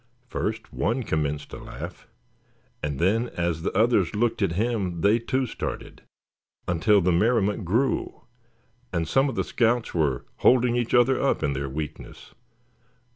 First one commenced to laugh, and then, as the others looked at him they too started, until the merriment grew, and some of the scouts were holding each other up in their weakness.